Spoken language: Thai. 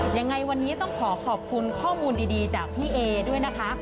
ยังไงวันนี้ต้องขอขอบคุณข้อมูลดีจากพี่เอด้วยนะคะ